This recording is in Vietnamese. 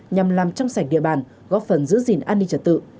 nhằm làm trong sạch địa bàn góp phần giữ gìn an ninh trật tự